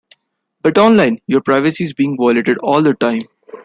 But online, your privacy is being violated all the time.